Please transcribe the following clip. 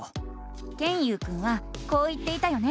ケンユウくんはこう言っていたよね。